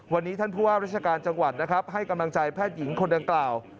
วันนี้ท่านผู้ว่าราชการจังหวัดนะครับให้กำลังใจแพทย์หญิงคนดังกล่าว